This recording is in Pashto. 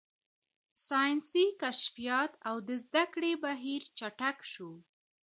ساینسي کشفیات او د زده کړې بهیر چټک شو.